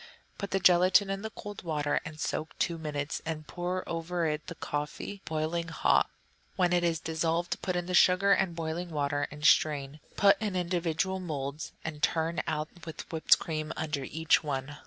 Put the gelatine in the cold water and soak two minutes, and pour over it the coffee, boiling hot. When it is dissolved, put in the sugar and boiling water and strain; put in little individual moulds, and turn out with whipped cream under each one.